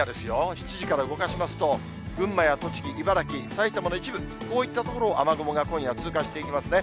７時から動かしますと、群馬や栃木、茨城、埼玉の一部、こういった所を雨雲が今夜、通過していきますね。